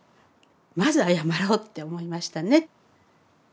まず謝ろうって思いましたね。